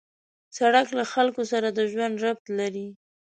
سړک له خلکو سره د ژوند ربط لري.